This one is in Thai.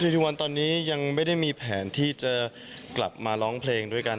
ทุกวันตอนนี้ยังไม่ได้มีแผนที่จะกลับมาร้องเพลงด้วยกัน